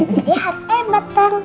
dia harus hebat dong